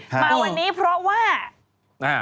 มาวันนี้เพราะว่า